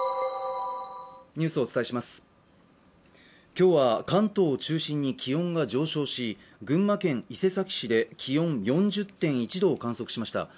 今日は関東を中心に気温が上昇し、群馬県伊勢崎市で気温４０．１度を観測しました。